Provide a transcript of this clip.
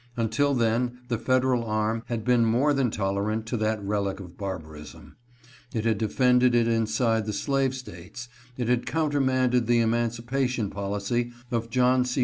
Until then the federal arm had been more than tolerant to that relic of barbarism. It had defended it inside the slave States ; it had countermanded the emancipation policy of John C.